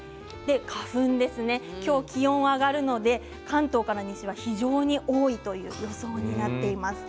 花粉ですね、今日は気温が上がるので関東から西は非常に多いという予想になっています。